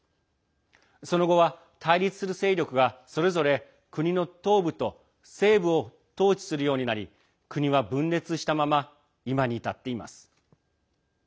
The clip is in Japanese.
その後は対立する勢力がそれぞれ国の東部と西部を統治するようになり国は分裂したまま今に至っています。